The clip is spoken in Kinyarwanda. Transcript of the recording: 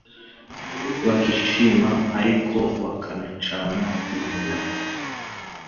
bakishima ariko bakanacana inyuma